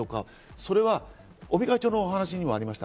それは尾身会長のお話にもありました。